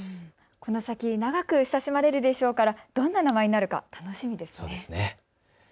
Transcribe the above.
この先、長く親しまれるでしょうから、どんな名前になるか楽しみですね。